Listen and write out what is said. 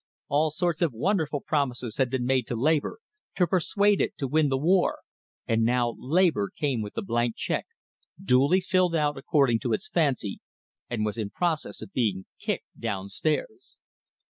All sorts of wonderful promises had been made to labor, to persuade it to win the war; and now labor came with the blank check, duly filled out according to its fancy and was in process of being kicked downstairs.